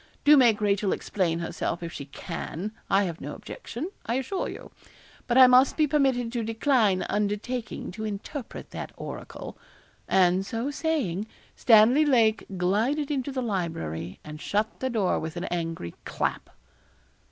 Do make Rachel explain herself, if she can I have no objection, I assure you; but I must be permitted to decline undertaking to interpret that oracle.' And so saying, Stanley Lake glided into the library and shut the door with an angry clap.